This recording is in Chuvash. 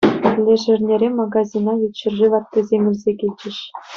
Леш эрнере магазина ют ҫӗршыв аттисем илсе килчӗҫ.